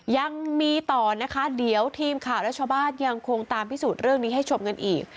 ยังมีต่อนะคะเดี๋ยวทีมข่าวและชาวบ้านยังคงตามพิสูจน์เรื่องนี้ให้ชมกันอีก